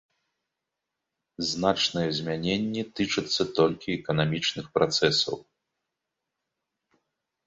Значныя змяненні тычацца толькі эканамічных працэсаў.